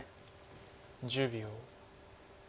１０秒。